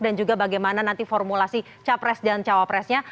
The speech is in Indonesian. dan juga bagaimana nanti formulasi capres dan cawapresnya